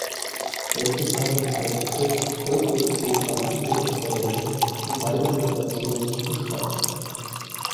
Heutzutage wird der Begriff Kolpozephalie jedoch verwendet, um beide Situationen zu beschreiben.